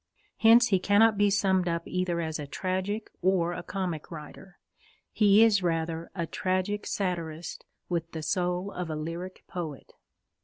Hence he cannot be summed up either as a tragic or a comic writer. He is rather a tragic satirist with the soul of a lyric poet.